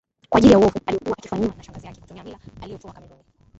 kwa ajili ya uovu aliokuwa akifanyiwa na shangazi yake kutumia mila aliotoa Kameruni